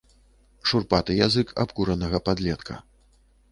Шурпаты язык абкуранага падлетка.